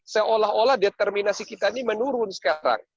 seolah olah determinasi kita ini menurun sekarang